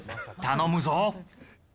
頼むぞ！